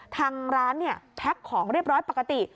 ทางร้านแพ็คของเรียบร้อยปกติ